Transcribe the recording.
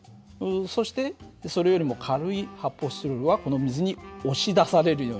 そしてそれよりも軽い発泡スチロールはこの水に押し出されるようにして前に行ったんだ。